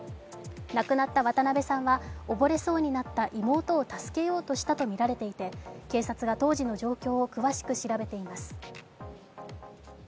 亡くなった渡邉さんは溺れそうになった妹を助けようとしたとみられていて警察が当時の状況を詳しく調べています。